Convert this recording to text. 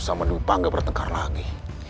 sama dwi pangga bertengkar lagi